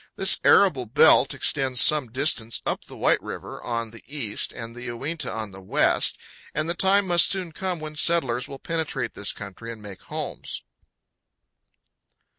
This arable belt extends some distance up the White River on the east and the Uinta on the west, and the time must soon come when settlers will penetrate this country and make homes.